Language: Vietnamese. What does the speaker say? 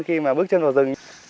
khi mà bước chân vào rừng